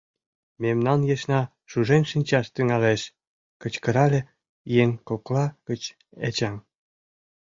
— Мемнан ешна шужен шинчаш тӱҥалеш! — кычкырале еҥ кокла гыч Эчан.